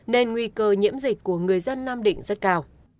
nên nguy cơ nhiễm dịch của người dân nam định rất cao